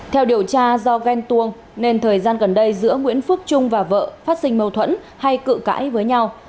theo điều tra do ghen tuông nên thời gian gần đây giữa nguyễn phước trung và vợ phát sinh mâu thuẫn hay cự cãi với nhau